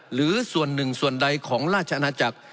หรือส่วนหนึ่งส่วนใดของราชอาณาจักร